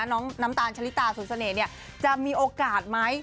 น้ำตาลชะลิตาสุนเสน่ห์จะมีโอกาสไหม